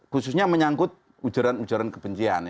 khususnya menyangkut ujaran ujaran kebencian